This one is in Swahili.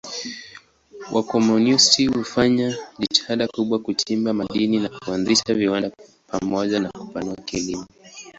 Wakomunisti walifanya jitihada kubwa kuchimba madini na kuanzisha viwanda pamoja na kupanua kilimo.